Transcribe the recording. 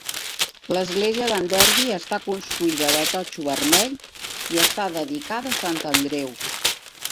L'església Anderby està construïda de totxo vermell, i està dedicada a Sant Andreu.